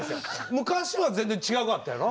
昔は全然違うかったやろ？